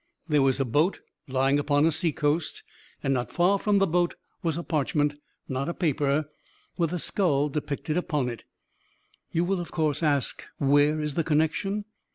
There was a boat lying upon a seacoast, and not far from the boat was a parchment not a paper with a skull depicted upon it. You will, of course, ask 'where is the connection?'